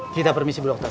kita permisi bu dokter